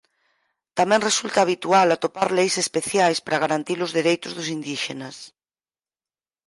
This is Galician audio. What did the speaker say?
Tamén resulta habitual atopar leis especiais para garantir os dereitos dos indíxenas.